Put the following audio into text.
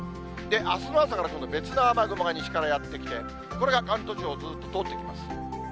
あすの朝から今度、別の雨雲が西からやって来て、これが関東地方、ずーっと通っていきます。